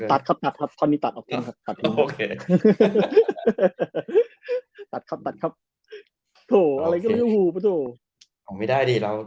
ตัดขับตัดขับโถอะไรก็เรียกฮูพระโถออกไม่ได้ดีเรา